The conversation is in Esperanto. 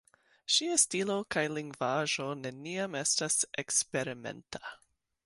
Ŝia stilo kaj lingvaĵo neniam estas eksperimenta.